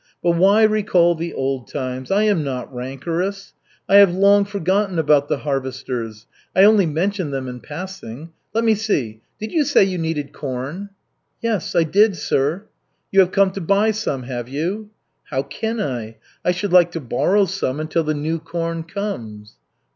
But why recall the old times? I am not rancorous. I have long forgotten about the harvesters. I only mentioned them in passing. Let me see did you say you needed corn?" "Yes, I did, sir." "You have come to buy some, have you?" "How can I? I should like to borrow some until the new corn comes."